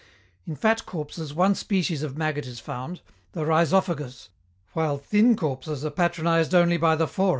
In fat corpses one species of maggot is found, the rhizophagus, while thin corpses are patronized only by the phora.